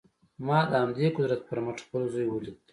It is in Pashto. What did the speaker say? ما د همدې قدرت پر مټ خپل زوی وليد.